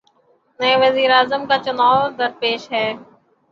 نئے وزیر اعظم کا چنائو درپیش ہے۔